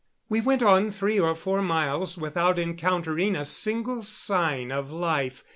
We went on three or four miles without encountering a single sign of life.